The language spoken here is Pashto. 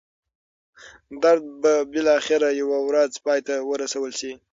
درد به بالاخره یوه ورځ پای ته ورسول شي.